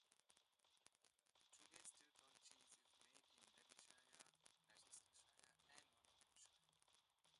Today Stilton cheese is made in Derbyshire, Leicestershire and Nottinghamshire.